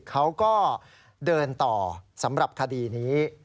เขาก็เดินต่อสำหรับคดีนี้